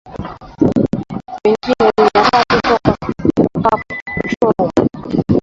Mingine mitatu kutoka Kapchorwa